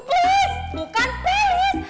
please bukan pelis